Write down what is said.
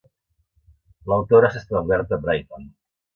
L'autora s'ha establert a Brighton.